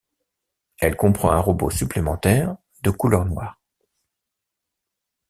Elle comprend un robot supplémentaire, de couleur noire.